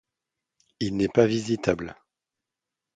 Il n'est pas visitable.